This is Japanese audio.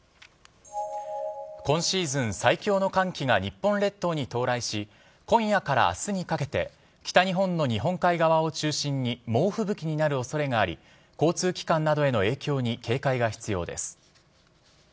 今シーズン最強の寒気が日本列島に到来し今夜から明日にかけて北日本の日本海側を中心に猛吹雪になる恐れがあり交通機関などへの影響に警戒が必要です。